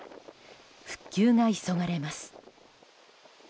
復旧が急がれます。